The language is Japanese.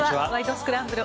スクランブル」